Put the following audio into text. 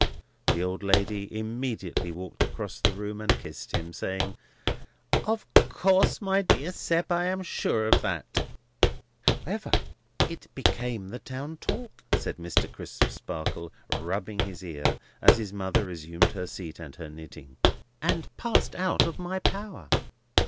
The old lady immediately walked across the room and kissed him: saying, "Of course, my dear Sept, I am sure of that." "However, it became the town talk," said Mr. Crisparkle, rubbing his ear, as his mother resumed her seat, and her knitting, "and passed out of my power."